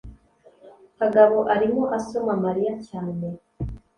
kagabo arimo asoma mariya cyane